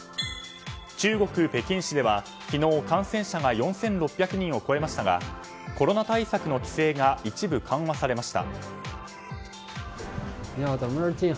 中国・北京市では昨日、感染者が４６００人を超えましたがコロナ対策の規制が一部緩和されました。